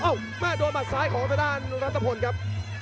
โอ้วแม่โดนมาใสของทะไดาตาลทธฟลครับ